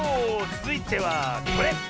つづいてはこれ！